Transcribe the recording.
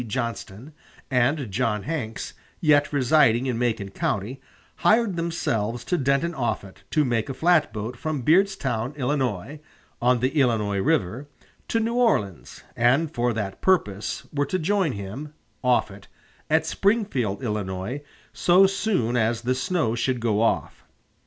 Johnston, and John Hanks, yet residing in Macon County, hired themselves to Denton Offutt to take a flatboat from Beardstown, Illinois [on the Illinois River], to New Orleans; and for that purpose were to join him Offutt at Springfield, Illinois, so soon as the snow should go off.